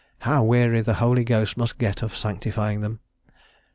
How weary the Holy Ghost must get of sanctifying them!